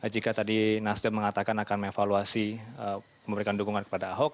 jika tadi nasdem mengatakan akan mengevaluasi memberikan dukungan kepada ahok